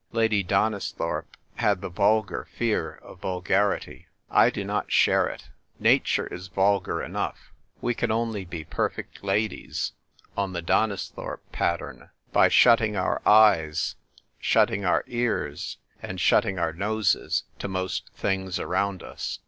Lady Donisthorpe had the vulgar fear of vulgarity. I do not share it ; nature is vulgar enough ; we can only be " perfect ladies " on the Donisthorpe pattern by shut A nUAWN KATTLK. 185 ting our eyes, shutting our cars, and shutting our noses to most things around us.